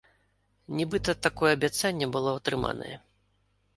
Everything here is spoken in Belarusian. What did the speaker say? Нібыта, такое абяцанне было атрыманае.